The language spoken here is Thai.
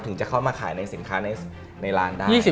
ถึงจะเข้ามาขายในสินค้าในร้านได้